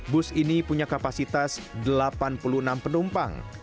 bus ini punya kapasitas delapan puluh enam penumpang